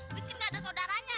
mungkin gak ada saudaranya